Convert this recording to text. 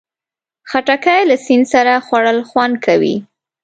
خټکی له سیند سره خوړل خوند کوي.